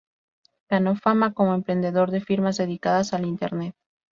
Ganó fama como emprendedor de firmas dedicadas a Internet.